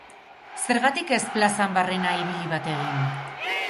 Zergatik ez plazan barrena ibili bat egin?